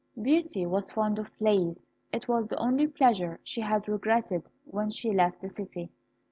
Beauty was fond of plays. It was the only pleasure she had regretted when she left the city.